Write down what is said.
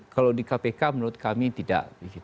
kalau di kpk menurut kami tidak